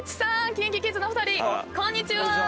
ＫｉｎＫｉＫｉｄｓのお二人こんにちは。